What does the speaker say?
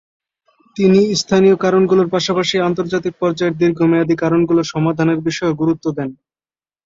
তিনি স্থানীয় কারণগুলোর পাশাপাশি আন্তর্জাতিক পর্যায়ের দীর্ঘমেয়াদি কারণগুলো সমাধানের বিষয়েও গুরুত্ব দেন।